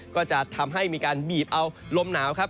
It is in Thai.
ก็จะทำให้มีการบีบเอาลมหนาวครับ